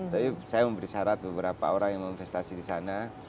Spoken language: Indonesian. tapi saya memberi syarat beberapa orang yang memvestasi di sana